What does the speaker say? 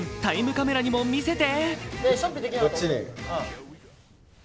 カメラにも見せて。